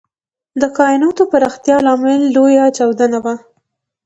د کائناتو پراختیا لامل لوی چاودنه وه.